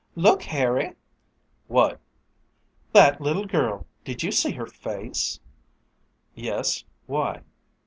"Look! Harry!" "What?" "That little girl did you see her face?" "Yes, why?"